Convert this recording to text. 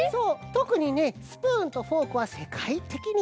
とくにねスプーンとフォークはせかいてきにゆうめいなんだよ。